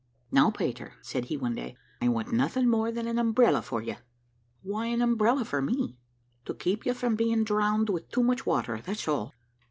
"Now, Peter," said he one day, "I want nothing more than an umbrella for you." "Why an umbrella for me?" "To keep you from being drowned with too much water, that's all."